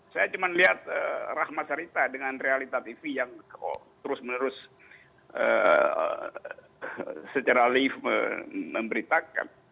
saya cuma lihat rahma sarita dengan realita tv yang terus menerus secara lift memberitakan